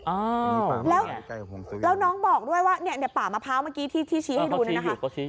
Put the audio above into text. อ่าแล้วน้องบอกด้วยว่าเนี่ยป่ามะพร้าวเมื่อกี้ที่ชี้ให้ดูเนี่ยนะคะ